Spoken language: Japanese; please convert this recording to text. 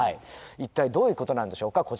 一体どういうことなんでしょうか。